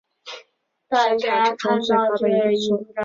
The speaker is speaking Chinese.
该塔是圣马利诺三塔之中最高的一座。